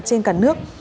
trên cả nước